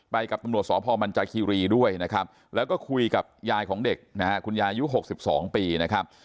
ไปกับตำรวจสพมันจาคีรีด้วยนะครับแล้วก็คุยกับยายของเด็กนะฮะคุณยายุค๖๒ปีนะครับ